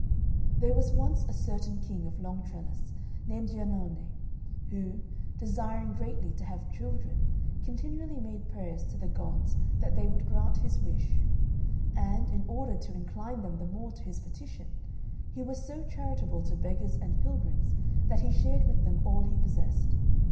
There was once a certain King of Long Trellis named Giannone, who, desiring greatly to have children, continually made prayers to the gods that they would grant his wish; and, in order to incline them the more to his petition, he was so charitable to beggars and pilgrims that he shared with them all he possessed.